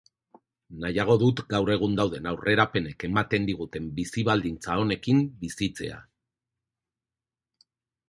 Nahiago dut gaur egun dauden aurrerapenek ematen diguten bizi baldintza onekin bizitzea.